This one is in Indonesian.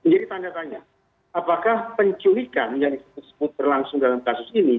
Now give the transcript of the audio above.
jadi tanda tanya apakah penculikan yang tersebut berlangsung dalam kasus ini